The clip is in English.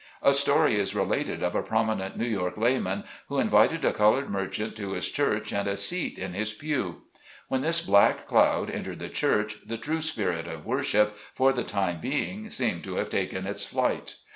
A story is related of a prominent New York lay man, who invited a colored merchant to his church and a seat in his pew. When this black cloud entered the church the true spirit of worship, for the time being, seemed to have taken its flight.